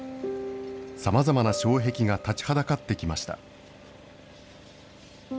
さまざまな障壁が立ちはだかってきました。